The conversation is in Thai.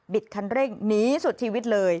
คันเร่งหนีสุดชีวิตเลย